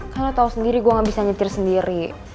karena lu tau sendiri gue gak bisa nyetir sendiri